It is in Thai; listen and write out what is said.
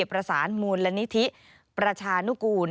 ประสานมูลนิธิประชานุกูล